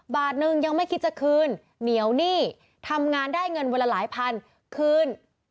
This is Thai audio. บาทนึงยังไม่คิดจะคืนเหนียวหนี้ทำงานได้เงินวันละหลายพันคืน